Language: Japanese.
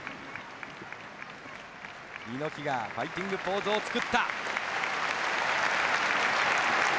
猪木がファイティングポーズを作った。